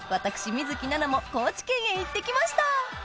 水樹奈々も高知県へ行ってきました！